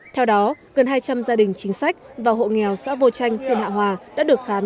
theo đó gần hai trăm linh gia đình chính sách và hộ nghèo xã vô chanh huyện hạ hòa đã được khám